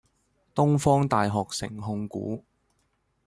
東方大學城控股